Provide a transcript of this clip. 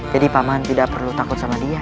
jadi paman tidak perlu takut sama dia